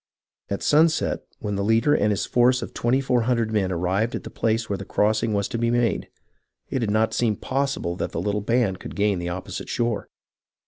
At sunset, when the leader and his force of twenty four hundred men ar rived at the place where the crossing was to be made, it did not seem possible that the little band could gain the opposite shore.